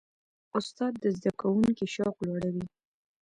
استاد د زده کوونکي شوق لوړوي.